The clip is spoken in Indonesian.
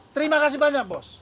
terima kasih banyak bos